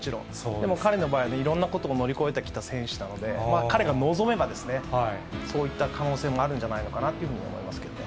でも彼の場合は、いろんなことを乗り越えてきた選手なので、彼が望めばですね、そういった可能性もあるんじゃないかなと思いますけどね。